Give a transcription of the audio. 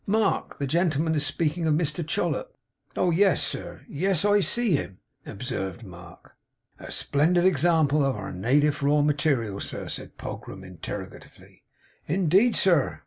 Mark! The gentleman is speaking of Mr Chollop.' 'Oh. Yes, sir. Yes. I see him,' observed Mark. 'A splendid example of our na tive raw material, sir?' said Pogram, interrogatively. 'Indeed, sir!